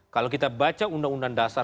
kalau kita baca undang undang dasar